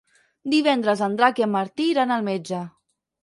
Divendres en Drac i en Martí iran al metge.